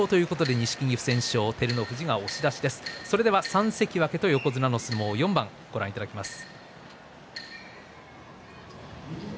３関脇と横綱の相撲４番ご覧いただきます。